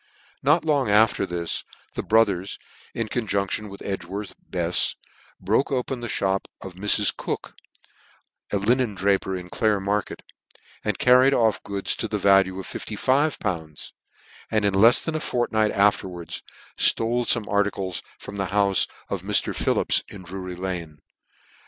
Not Jong after this, the brothers, in conjunc tion with Edgworth Befs, broke open the (hop of Mrs. Cook, a linen draper in Clare market, and carried off goods to the value of fifty five pounds ; and in lefs than a fortnight afterwards ftole fome articles from the houie of Mr, Phillip's in Drury lane.